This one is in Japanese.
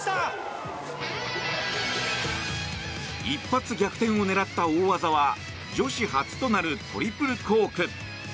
一発逆転を狙った大技は女子初となるトリプルコーク。